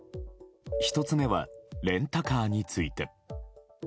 １つ目は、レンタカーについて。